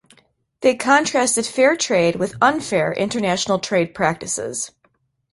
They contrasted "fair trade" with 'unfair' international trade practices.